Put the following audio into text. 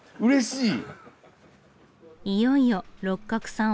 いよいよ六角さん